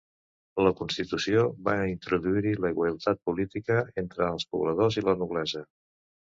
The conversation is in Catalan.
La Constitució va introduir-hi la igualtat política entre els pobladors i la noblesa.